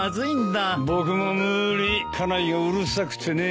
僕も無理家内がうるさくてね。